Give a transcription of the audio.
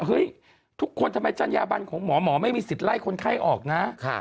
เฮ้ยทุกคนทำไมจัญญาบันของหมอหมอไม่มีสิทธิ์ไล่คนไข้ออกนะ